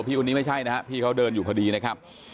พี่คนนี้ไม่ใช่นะฮะพี่เขาเดินอยู่พอดีนะครับ